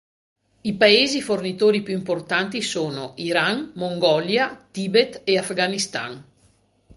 I paesi fornitori più importanti sono: Iran, Mongolia, Tibet, e Afghanistan.